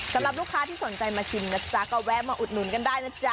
สำหรับลูกค้าที่สนใจมาชิมนะจ๊ะก็แวะมาอุดหนุนกันได้นะจ๊ะ